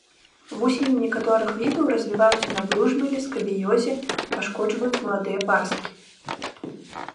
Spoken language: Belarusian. Вусені некаторых відаў развіваюцца на бружмелі, скабіёзе і пашкоджваюць маладыя парасткі.